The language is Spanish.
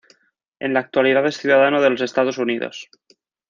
En la actualidad es ciudadano de los Estados Unidos.